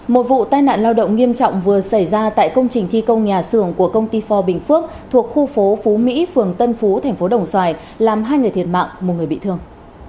một vụ tai nạn lao động nghiêm trọng vừa xảy ra tại công trình thi công nhà xưởng của công ty pho bình phước thuộc khu phố phú mỹ phường tân phú tp đồng xoài làm hai người thiệt mạng một người bị thương